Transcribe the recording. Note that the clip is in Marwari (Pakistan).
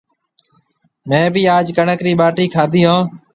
ميه بي آج ڪڻڪ رِي ٻاٽِي کادِي هون